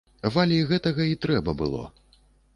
Валі гэтага і трэба было.